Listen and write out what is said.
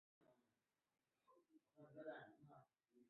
女主角在学校听说有女生在校外卖淫。